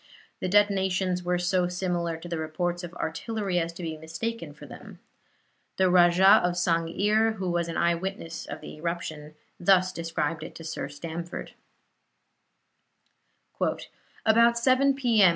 The detonations were so similar to the reports of artillery as to be mistaken for them. The Rajah of Sang'ir, who was an eye witness of the eruption, thus described it to Sir Stamford: "About 7 P. M.